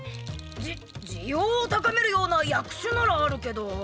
じ滋養を高めるような薬酒ならあるけど。